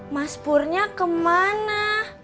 mas purnya kemana